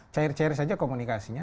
cair cair saja komunikasinya